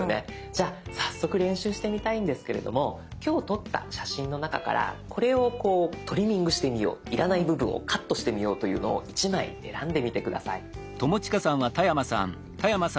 じゃあ早速練習してみたいんですけれども今日撮った写真の中からこれをこうトリミングしてみよう要らない部分をカットしてみようというのを１枚選んでみて下さい。